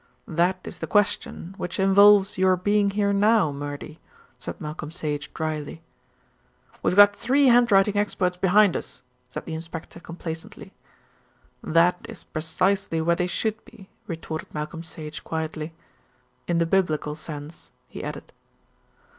"That is the question which involves your being here now, Murdy," said Malcolm Sage dryly. "We've got three handwriting experts behind us," said the inspector complacently. "That is precisely where they should be," retorted Malcolm Sage quietly. "In the biblical sense," he added.